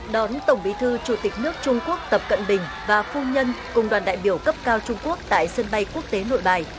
đón tổng bí thư chủ tịch nước trung quốc tập cận bình và phu nhân cùng đoàn đại biểu cấp cao trung quốc tại sân bay quốc tế nội bài